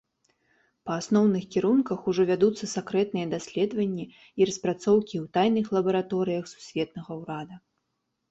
Па асноўных кірунках ужо вядуцца сакрэтныя даследаванні і распрацоўкі ў тайных лабараторыях сусветнага ўрада.